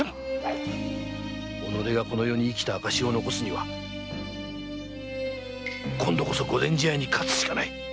己がこの世に生きた証しを残すには今度こそ御前試合に勝つしかない！